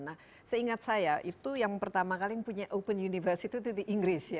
nah seingat saya itu yang pertama kali punya open university itu di inggris ya